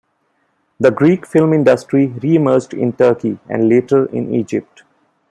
The Greek film industry reemerged in Turkey, and later in Egypt.